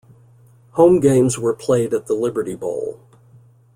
Home games were played at the Liberty Bowl.